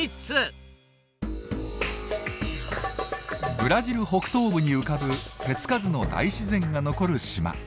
ブラジル北東部に浮かぶ手つかずの大自然が残る島。